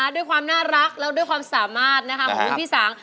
ด้วยความน่ารักแล้วด้วยความสามารถของคุณพี่สาง